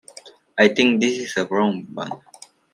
I think this is the wrong band.